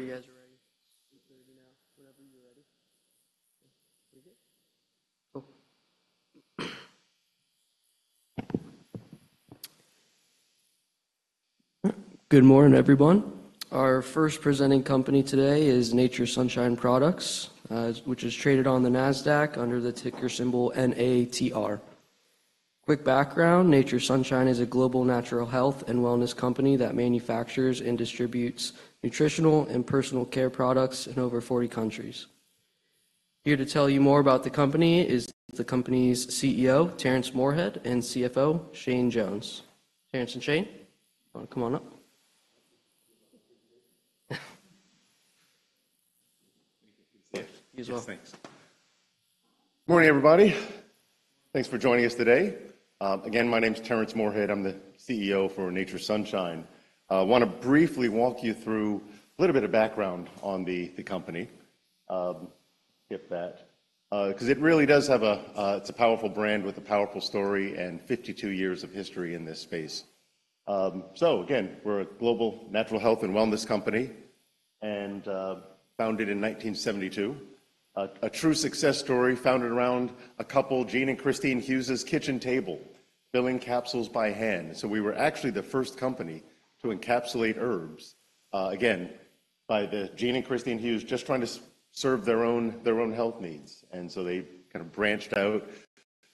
Yes. Whenever you guys are ready. It's 30 now, whenever you're ready. Pretty good? Oh. Good morning, everyone. Our first presenting company today is Nature's Sunshine Products, which is traded on the NASDAQ under the ticker symbol NATR. Quick background: Nature's Sunshine is a global natural health and wellness company that manufactures and distributes nutritional and personal care products in over 40 countries. Here to tell you more about the company is the company's CEO, Terrence Moorehead, and CFO, Shane Jones. Terrence and Shane, wanna come on up? Yeah, you as well. Yes, thanks. Morning, everybody. Thanks for joining us today. Again, my name's Terrence Moorehead. I'm the CEO for Nature's Sunshine. I wanna briefly walk you through a little bit of background on the company. Skip that. 'Cause it really does have a powerful brand with a powerful story and fifty-two years of history in this space. So again, we're a global natural health and wellness company, and founded in 1972. A true success story founded around a couple, Gene and Kristine Hughes's kitchen table, filling capsules by hand. So we were actually the first company to encapsulate herbs, again, by the Gene and Kristine Hughes, just trying to serve their own health needs. They kind of branched out,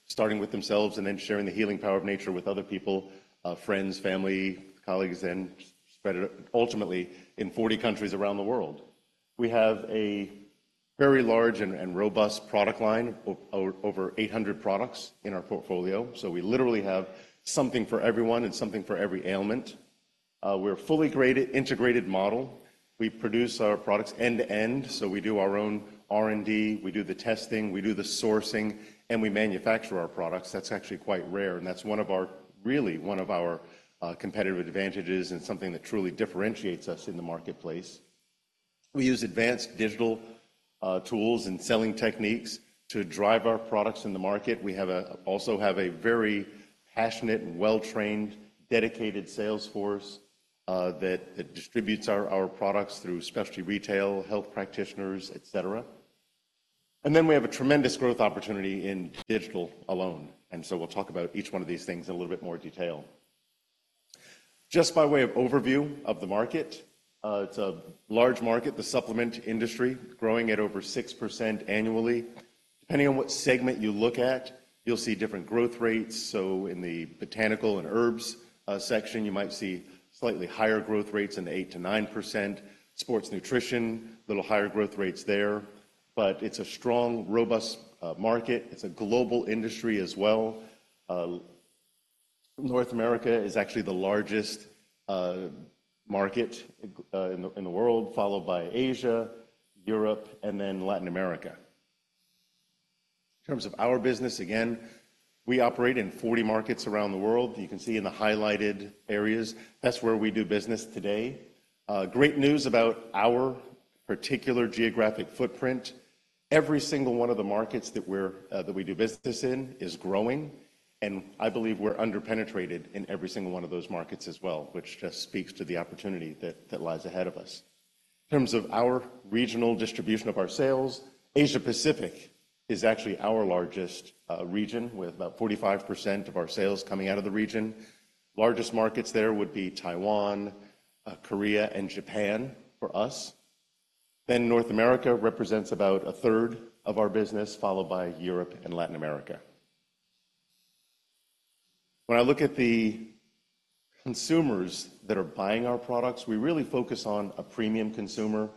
starting with themselves and then sharing the healing power of nature with other people, friends, family, colleagues, and spread it ultimately in 40 countries around the world. We have a very large and robust product line, over 800 products in our portfolio, so we literally have something for everyone and something for every ailment. We're a vertically integrated model. We produce our products end to end, so we do our own R&D, we do the testing, we do the sourcing, and we manufacture our products. That's actually quite rare, and that's one of our really one of our competitive advantages and something that truly differentiates us in the marketplace. We use advanced digital tools and selling techniques to drive our products in the market. We also have a very passionate and well-trained, dedicated sales force that distributes our products through specialty retail, health practitioners, et cetera, and then we have a tremendous growth opportunity in digital alone, and so we'll talk about each one of these things in a little bit more detail. Just by way of overview of the market, it's a large market, the supplement industry, growing at over 6% annually. Depending on what segment you look at, you'll see different growth rates, so in the botanical and herbs section, you might see slightly higher growth rates in the 8%-9%. Sports nutrition, little higher growth rates there, but it's a strong, robust market. It's a global industry as well. North America is actually the largest market in the world, followed by Asia, Europe, and then Latin America. In terms of our business, again, we operate in 40 markets around the world. You can see in the highlighted areas, that's where we do business today. Great news about our particular geographic footprint. Every single one of the markets that we do business in is growing, and I believe we're under-penetrated in every single one of those markets as well, which just speaks to the opportunity that lies ahead of us. In terms of our regional distribution of our sales, Asia Pacific is actually our largest region, with about 45% of our sales coming out of the region. Largest markets there would be Taiwan, Korea, and Japan for us. North America represents about a third of our business, followed by Europe and Latin America. When I look at the consumers that are buying our products, we really focus on a premium consumer.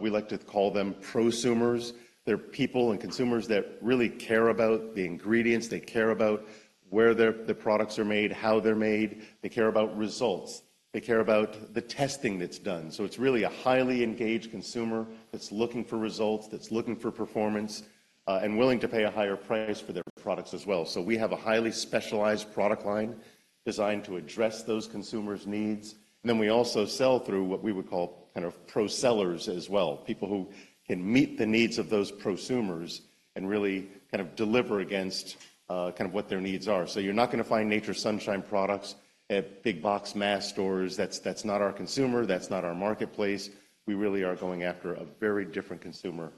We like to call them prosumers. They're people and consumers that really care about the ingredients, they care about where the products are made, how they're made. They care about results. They care about the testing that's done. It's really a highly engaged consumer that's looking for results, that's looking for performance, and willing to pay a higher price for their products as well. We have a highly specialized product line designed to address those consumers' needs. And then we also sell through what we would call kind of pro sellers as well, people who can meet the needs of those prosumers and really kind of deliver against kind of what their needs are. So you're not gonna find Nature's Sunshine Products at big box mass stores. That's not our consumer, that's not our marketplace. We really are going after a very different consumer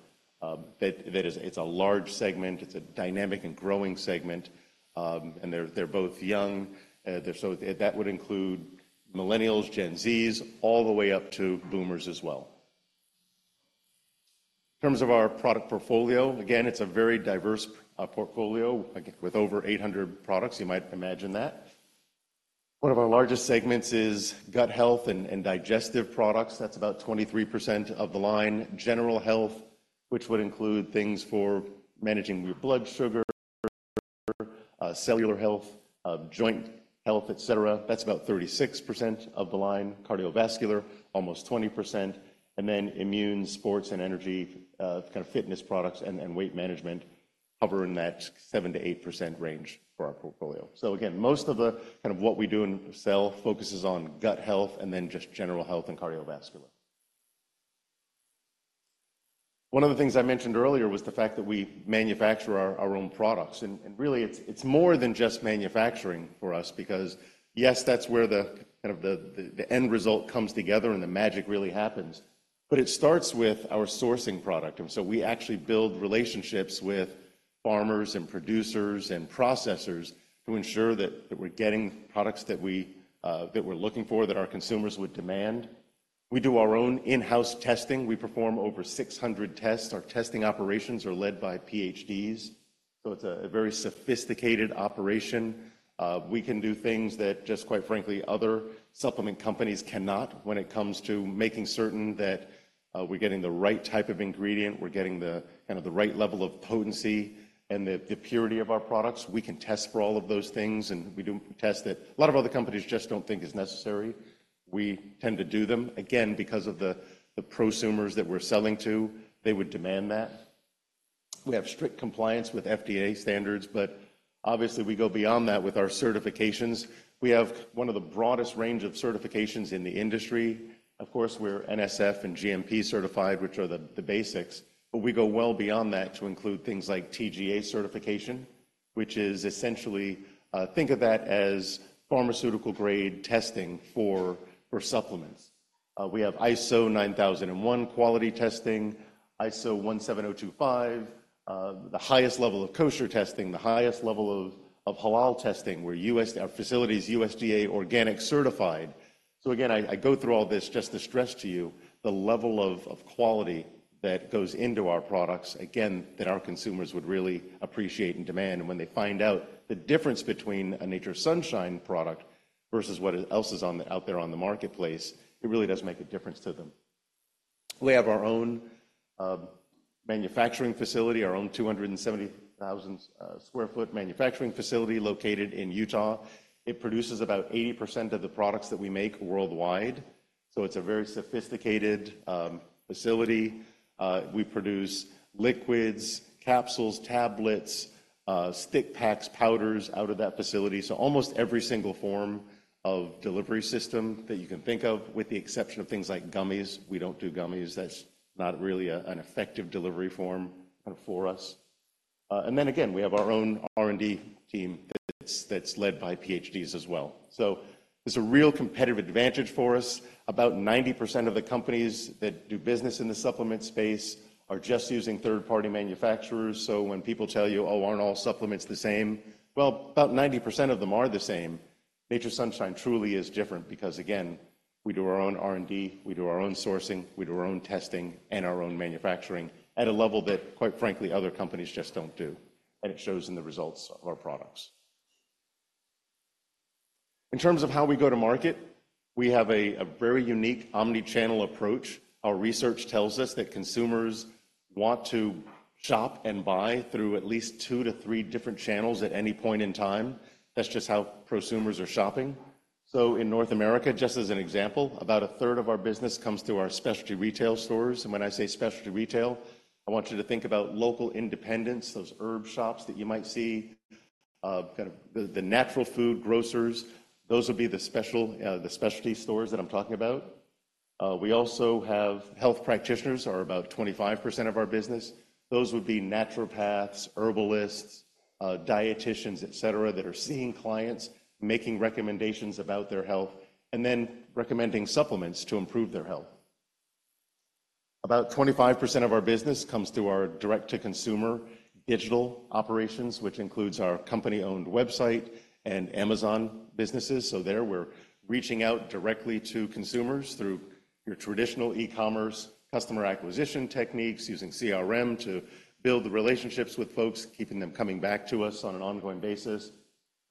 that is. It's a large segment, it's a dynamic and growing segment, and they're both young. So that would include millennials, Gen Zs, all the way up to boomers as well. In terms of our product portfolio, again, it's a very diverse portfolio. Again, with over 800 products, you might imagine that. One of our largest segments is gut health and digestive products. That's about 23% of the line. General health, which would include things for managing your blood sugar, cellular health, joint health, et cetera. That's about 36% of the line. Cardiovascular, almost 20%. And then immune, sports, and energy, kind of fitness products and weight management hover in that 7%-8% range for our portfolio. So again, most of the, kind of what we do and sell focuses on gut health and then just general health and cardiovascular. One of the things I mentioned earlier was the fact that we manufacture our own products. And really, it's more than just manufacturing for us because, yes, that's where the end result comes together and the magic really happens. But it starts with our sourcing product. We actually build relationships with farmers and producers and processors to ensure that we're getting products that we're looking for, that our consumers would demand. We do our own in-house testing. We perform over 600 tests. Our testing operations are led by PhDs, so it's a very sophisticated operation. We can do things that, quite frankly, other supplement companies cannot when it comes to making certain that we're getting the right type of ingredient, we're getting the kind of right level of potency and the purity of our products. We can test for all of those things, and we do test it. A lot of other companies just don't think it's necessary. We tend to do them, again, because of the prosumers that we're selling to, they would demand that. We have strict compliance with FDA standards, but obviously, we go beyond that with our certifications. We have one of the broadest range of certifications in the industry. Of course, we're NSF and GMP certified, which are the basics, but we go well beyond that to include things like TGA certification, which is essentially, think of that as pharmaceutical-grade testing for supplements. We have ISO 9001 quality testing, ISO 17025, the highest level of kosher testing, the highest level of halal testing. Our facility is USDA organic certified. So again, I go through all this just to stress to you the level of quality that goes into our products, again, that our consumers would really appreciate and demand. When they find out the difference between a Nature's Sunshine product versus what else is on the out there on the marketplace, it really does make a difference to them. We have our own manufacturing facility, our own 270,000 sq ft manufacturing facility located in Utah. It produces about 80% of the products that we make worldwide, so it's a very sophisticated facility. We produce liquids, capsules, tablets, stick packs, powders out of that facility. So almost every single form of delivery system that you can think of, with the exception of things like gummies. We don't do gummies. That's not really an effective delivery form for us, and then again, we have our own R&D team that's led by PhDs as well. So it's a real competitive advantage for us. About 90% of the companies that do business in the supplement space are just using third-party manufacturers. So when people tell you, "Oh, aren't all supplements the same?" Well, about 90% of them are the same. Nature's Sunshine truly is different because, again, we do our own R&D, we do our own sourcing, we do our own testing, and our own manufacturing at a level that, quite frankly, other companies just don't do, and it shows in the results of our products. In terms of how we go to market, we have a very unique omni-channel approach. Our research tells us that consumers want to shop and buy through at least two to three different channels at any point in time. That's just how prosumers are shopping. So in North America, just as an example, about a third of our business comes through our specialty retail stores. When I say specialty retail, I want you to think about local independents, those herb shops that you might see, kind of the natural food grocers. Those would be the specialty stores that I'm talking about. We also have health practitioners are about 25% of our business. Those would be naturopaths, herbalists, dieticians, et cetera, that are seeing clients, making recommendations about their health, and then recommending supplements to improve their health. About 25% of our business comes through our direct-to-consumer digital operations, which includes our company-owned website and Amazon businesses. So there, we're reaching out directly to consumers through your traditional e-commerce customer acquisition techniques, using CRM to build the relationships with folks, keeping them coming back to us on an ongoing basis.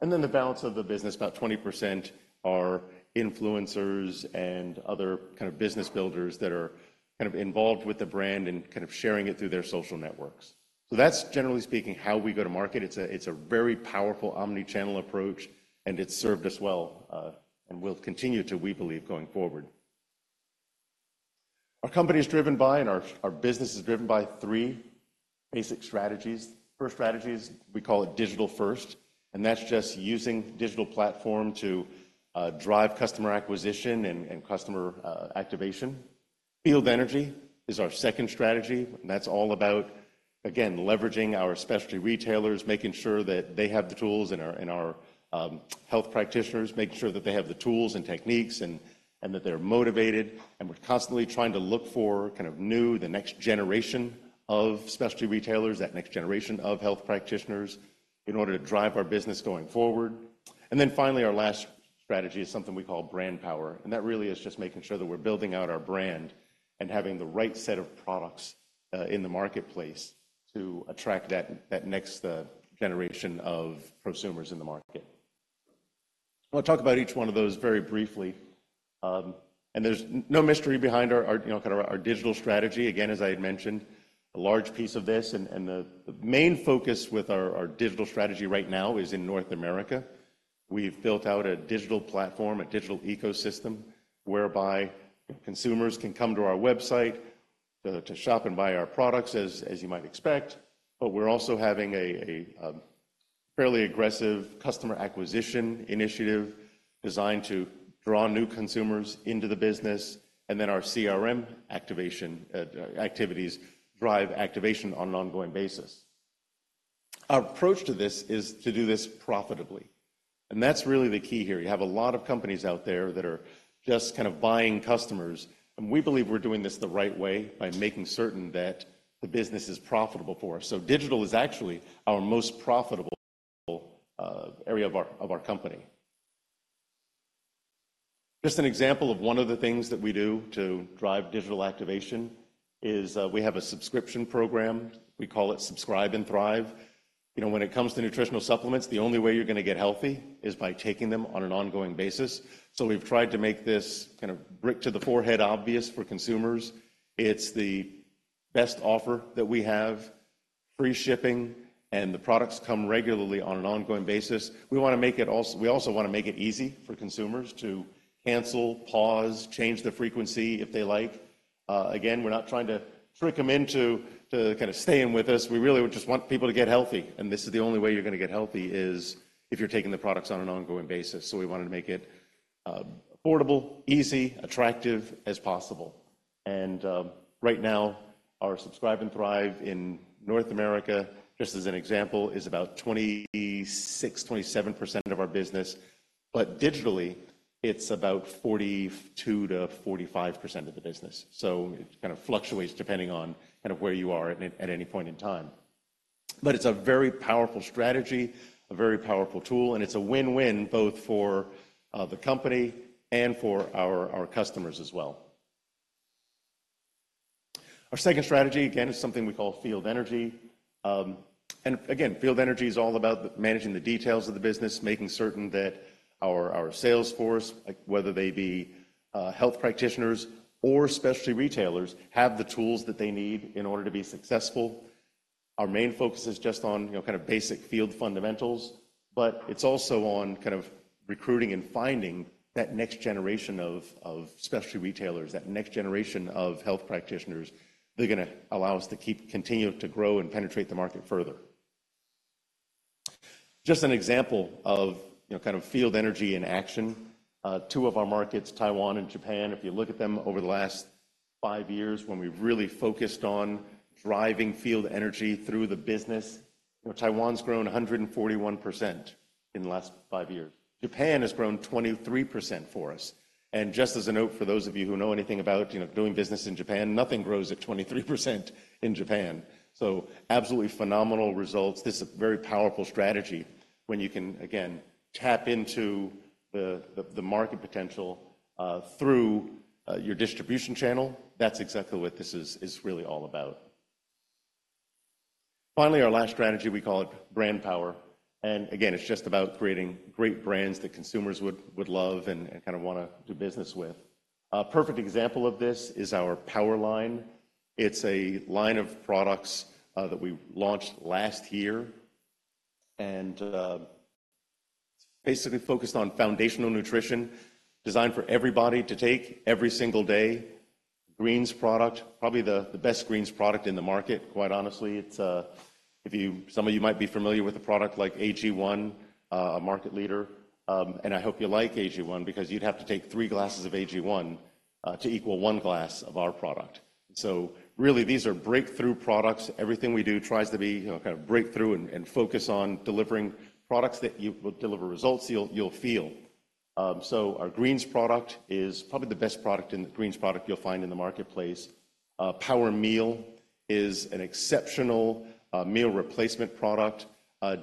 And then the balance of the business, about 20%, are influencers and other kind of business builders that are kind of involved with the brand and kind of sharing it through their social networks. So that's, generally speaking, how we go to market. It's a very powerful omni-channel approach, and it's served us well and will continue to, we believe, going forward. Our company is driven by and our business is driven by three basic strategies. First strategy is we call it Digital First, and that's just using digital platform to drive customer acquisition and customer activation. Field Energy is our second strategy, and that's all about, again, leveraging our specialty retailers, making sure that they have the tools and our health practitioners, making sure that they have the tools and techniques and that they're motivated. And we're constantly trying to look for kind of new, the next generation of specialty retailers, that next generation of health practitioners, in order to drive our business going forward. And then finally, our last strategy is something we call Brand Power, and that really is just making sure that we're building out our brand and having the right set of products in the marketplace to attract that next generation of prosumers in the market. I'll talk about each one of those very briefly. And there's no mystery behind our, you know, kind of our digital strategy. Again, as I had mentioned, a large piece of this and the main focus with our digital strategy right now is in North America. We've built out a digital platform, a digital ecosystem, whereby consumers can come to our website to shop and buy our products, as you might expect, but we're also having a fairly aggressive customer acquisition initiative designed to draw new consumers into the business, and then our CRM activation activities drive activation on an ongoing basis. Our approach to this is to do this profitably, and that's really the key here. You have a lot of companies out there that are just kind of buying customers, and we believe we're doing this the right way by making certain that the business is profitable for us. So digital is actually our most profitable area of our company. Just an example of one of the things that we do to drive digital activation is we have a subscription program. We call it Subscribe and Thrive. You know, when it comes to nutritional supplements, the only way you're gonna get healthy is by taking them on an ongoing basis. So we've tried to make this kind of brick-to-the-forehead obvious for consumers. It's the best offer that we have, free shipping, and the products come regularly on an ongoing basis. We wanna make it. We also wanna make it easy for consumers to cancel, pause, change the frequency if they like. Again, we're not trying to trick them into kind of staying with us. We really just want people to get healthy, and this is the only way you're gonna get healthy is if you're taking the products on an ongoing basis. So we wanted to make it affordable, easy, attractive as possible. Right now, our Subscribe and Thrive in North America, just as an example, is about 26-27% of our business, but digitally, it's about 42-45% of the business. It kind of fluctuates depending on kind of where you are at any point in time. It's a very powerful strategy, a very powerful tool, and it's a win-win both for the company and for our customers as well. Our second strategy, again, is something we call Field Energy. Field Energy is all about managing the details of the business, making certain that our sales force, like, whether they be health practitioners or specialty retailers, have the tools that they need in order to be successful. Our main focus is just on, you know, kind of basic field fundamentals, but it's also on kind of recruiting and finding that next generation of, of specialty retailers, that next generation of health practitioners. They're gonna allow us to keep continuing to grow and penetrate the market further. Just an example of, you know, kind of Field Energy in action, two of our markets, Taiwan and Japan, if you look at them over the last five years, when we've really focused on driving Field Energy through the business, you know, Taiwan's grown 141% in the last five years. Japan has grown 23% for us. And just as a note, for those of you who know anything about, you know, doing business in Japan, nothing grows at 23% in Japan. So absolutely phenomenal results. This is a very powerful strategy when you can, again, tap into the market potential through your distribution channel. That's exactly what this is, is really all about. Finally, our last strategy, we call it Brand Power, and again, it's just about creating great brands that consumers would love and kinda wanna do business with. A perfect example of this is our Power line. It's a line of products that we launched last year and basically focused on foundational nutrition, designed for everybody to take every single day. Greens product, probably the best greens product in the market, quite honestly. Some of you might be familiar with a product like AG1, a market leader. And I hope you like AG1 because you'd have to take three glasses of AG1 to equal one glass of our product. So really, these are breakthrough products. Everything we do tries to be, you know, kind of breakthrough and focus on delivering products that will deliver results you'll feel. So our greens product is probably the best product in the greens product you'll find in the marketplace. Power Meal is an exceptional meal replacement product.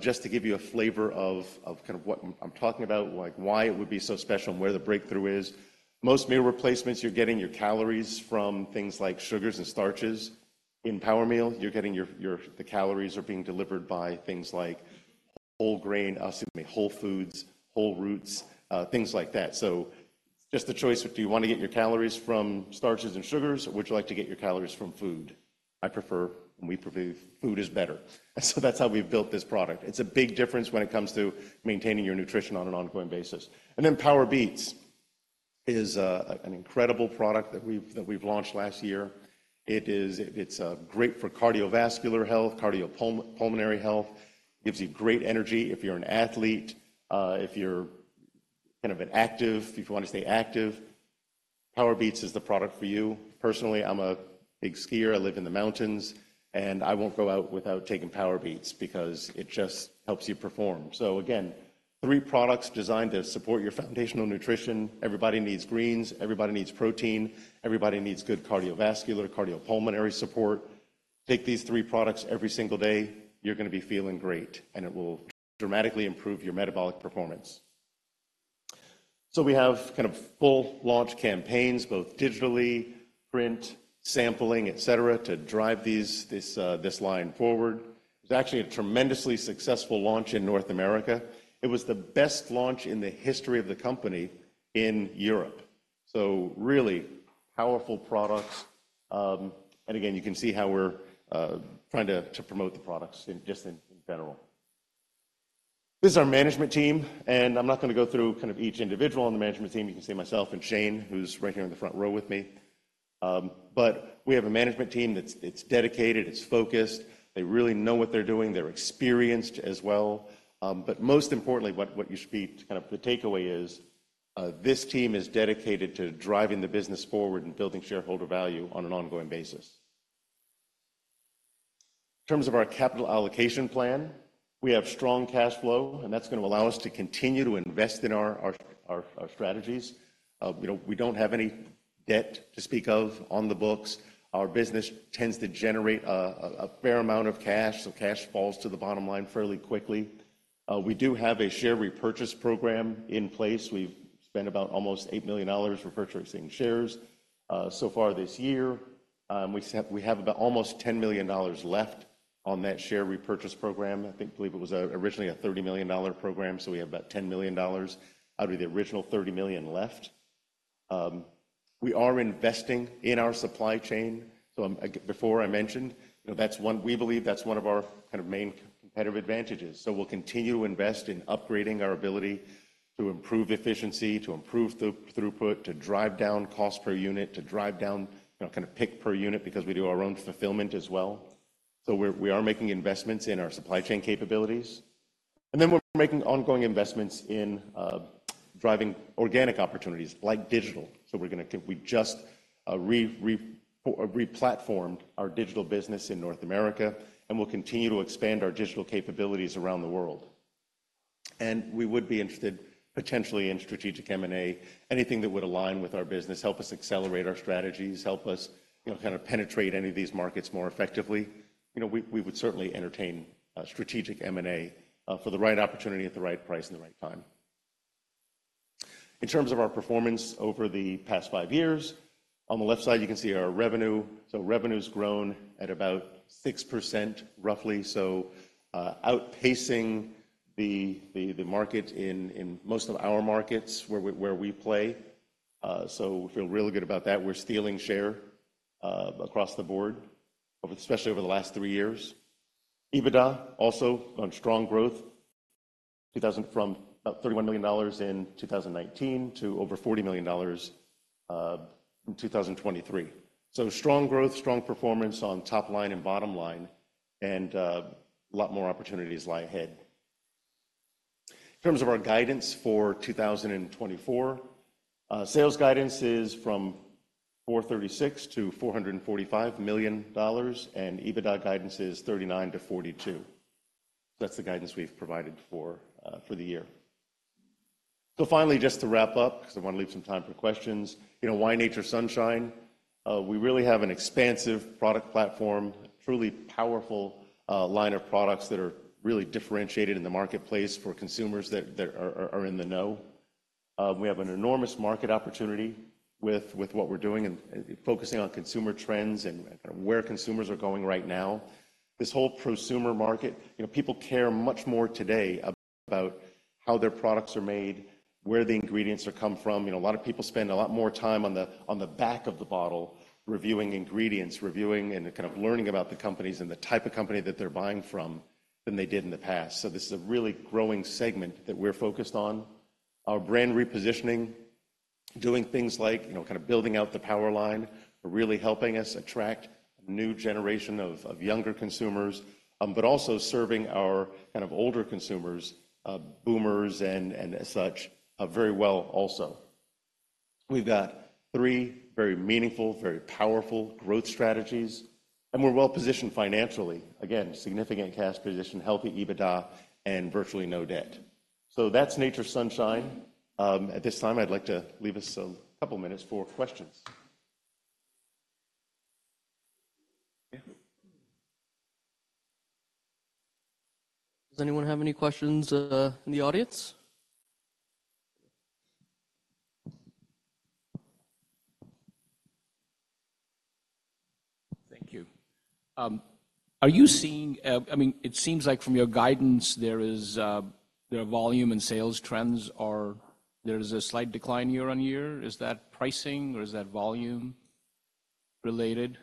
Just to give you a flavor of kind of what I'm talking about, like, why it would be so special and where the breakthrough is, most meal replacements, you're getting your calories from things like sugars and starches. In Power Meal, you're getting your... The calories are being delivered by things like whole grain, excuse me, whole foods, whole roots, things like that. So just the choice, do you want to get your calories from starches and sugars, or would you like to get your calories from food? I prefer, and we believe food is better, and so that's how we've built this product. It's a big difference when it comes to maintaining your nutrition on an ongoing basis, and then Power Beets is an incredible product that we've launched last year. It is, it's great for cardiovascular health, cardiopulmonary health. Gives you great energy. If you're an athlete, if you're kind of an active, if you wanna stay active, Power Beets is the product for you. Personally, I'm a big skier. I live in the mountains, and I won't go out without taking Power Beets because it just helps you perform, so again, three products designed to support your foundational nutrition. Everybody needs greens, everybody needs protein, everybody needs good cardiovascular, cardiopulmonary support. Take these three products every single day, you're gonna be feeling great, and it will dramatically improve your metabolic performance, so we have kind of full launch campaigns, both digitally, print, sampling, et cetera, to drive this line forward. It's actually a tremendously successful launch in North America. It was the best launch in the history of the company in Europe, so really powerful products, and again, you can see how we're trying to promote the products in general. This is our management team, and I'm not gonna go through kind of each individual on the management team. You can see myself and Shane, who's right here in the front row with me. But we have a management team that's dedicated, it's focused. They really know what they're doing. They're experienced as well. But most importantly, what you should be kind of the takeaway is, this team is dedicated to driving the business forward and building shareholder value on an ongoing basis. In terms of our capital allocation plan, we have strong cash flow, and that's gonna allow us to continue to invest in our strategies. You know, we don't have any debt to speak of on the books. Our business tends to generate a fair amount of cash, so cash falls to the bottom line fairly quickly. We do have a share repurchase program in place. We've spent about almost $8 million repurchasing shares so far this year. We have about almost $10 million left on that share repurchase program. I think, believe it was originally a $30 million program, so we have about $10 million out of the original $30 million left. We are investing in our supply chain. So, again, before I mentioned, you know, that's one. We believe that's one of our kind of main competitive advantages. So we'll continue to invest in upgrading our ability to improve efficiency, to improve throughput, to drive down cost per unit, to drive down, you know, kind of pick per unit because we do our own fulfillment as well. So we are making investments in our supply chain capabilities, and then we're making ongoing investments in driving organic opportunities like digital. We just replatformed our digital business in North America, and we'll continue to expand our digital capabilities around the world. We would be interested, potentially, in strategic M&A. Anything that would align with our business, help us accelerate our strategies, help us, you know, kind of penetrate any of these markets more effectively. You know, we would certainly entertain a strategic M&A for the right opportunity at the right price and the right time. In terms of our performance over the past five years, on the left side, you can see our revenue. Revenue's grown at about 6%, roughly, outpacing the market in most of our markets where we play. We feel really good about that. We're stealing share across the board, especially over the last three years. EBITDA also on strong growth from about $31 million in 2019 to over $40 million in 2023. So strong growth, strong performance on top line and bottom line, and a lot more opportunities lie ahead. In terms of our guidance for 2024, sales guidance is from $436-$445 million, and EBITDA guidance is $39-$42 million. That's the guidance we've provided for the year. So finally, just to wrap up, 'cause I wanna leave some time for questions, you know, why Nature's Sunshine? We really have an expansive product platform, truly powerful line of products that are really differentiated in the marketplace for consumers that are in the know. We have an enormous market opportunity with what we're doing and focusing on consumer trends and where consumers are going right now. This whole prosumer market, you know, people care much more today about how their products are made, where the ingredients come from. You know, a lot of people spend a lot more time on the back of the bottle, reviewing ingredients, reviewing and kind of learning about the companies and the type of company that they're buying from than they did in the past. So this is a really growing segment that we're focused on. Our brand repositioning, doing things like, you know, kind of building out the Power line, are really helping us attract a new generation of younger consumers, but also serving our kind of older consumers, boomers and such, very well also. We've got three very meaningful, very powerful growth strategies, and we're well-positioned financially. Again, significant cash position, healthy EBITDA, and virtually no debt. So that's Nature's Sunshine. At this time, I'd like to leave us a couple of minutes for questions. Yeah. Does anyone have any questions in the audience? Thank you. Are you seeing... I mean, it seems like from your guidance, there is, there are volume and sales trends, or there's a slight decline year on year. Is that pricing, or is that volume-related?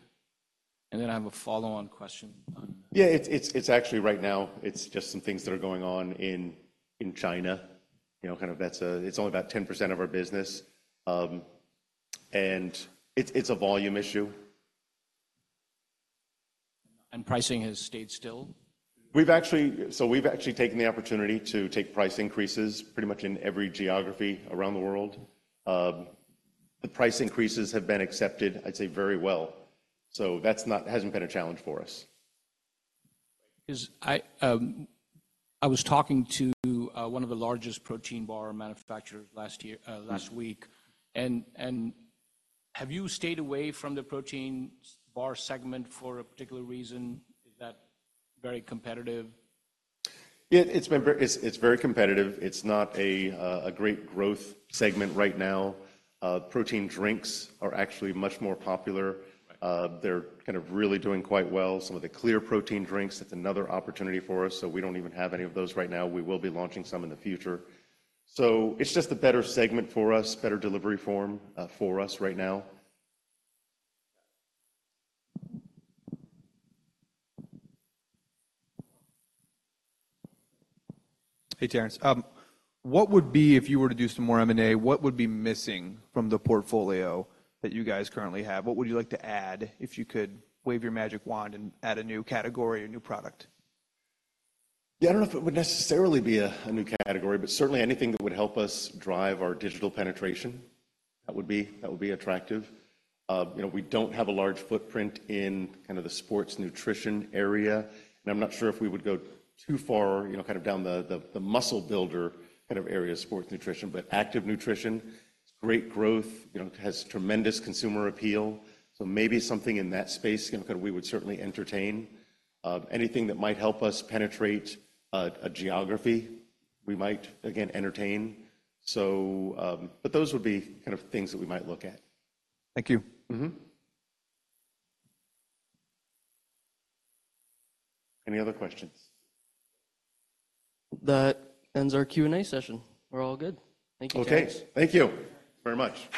And then I have a follow-on question on- Yeah, it's actually right now, it's just some things that are going on in China. You know, kind of, it's only about 10% of our business, and it's a volume issue. Pricing has stayed still? We've actually taken the opportunity to take price increases pretty much in every geography around the world. The price increases have been accepted, I'd say, very well. So that hasn't been a challenge for us. 'Cause I was talking to one of the largest protein bar manufacturers last week- Mm. Have you stayed away from the protein bar segment for a particular reason? Is that very competitive? Yeah, it's been very competitive. It's not a great growth segment right now. Protein drinks are actually much more popular. Right. They're kind of really doing quite well. Some of the clear protein drinks, that's another opportunity for us, so we don't even have any of those right now. We will be launching some in the future. So it's just a better segment for us, better delivery form, for us right now. Hey, Terrence. What would be, if you were to do some more M&A, what would be missing from the portfolio that you guys currently have? What would you like to add if you could wave your magic wand and add a new category or new product? Yeah, I don't know if it would necessarily be a new category, but certainly anything that would help us drive our digital penetration, that would be attractive. You know, we don't have a large footprint in kind of the sports nutrition area, and I'm not sure if we would go too far, you know, kind of down the muscle builder kind of area of sports nutrition. But active nutrition, great growth, you know, has tremendous consumer appeal. So maybe something in that space, you know, kind of we would certainly entertain. Anything that might help us penetrate a geography, we might, again, entertain. So, but those would be kind of things that we might look at. Thank you. Mm-hmm. Any other questions? That ends our Q&A session. We're all good. Thank you, Terrence. Okay. Thank you very much.